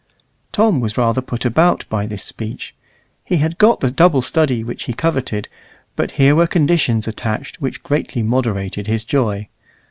Tom was rather put about by this speech. He had got the double study which he coveted, but here were conditions attached which greatly moderated his joy.